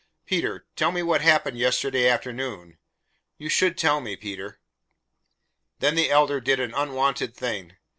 "Peter, tell me what happened yesterday afternoon. You should tell me, Peter." Then the Elder did an unwonted thing.